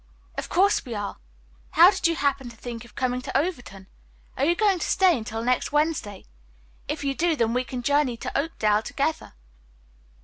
"Of course we are. How did you happen to think of coming to Overton? Are you going to stay until next Wednesday? If you do, then we can all journey to Oakdale together."